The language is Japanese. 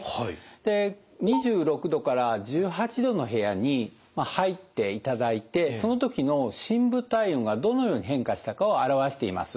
で２６℃から１８℃の部屋に入っていただいてその時の深部体温がどのように変化したかを表しています。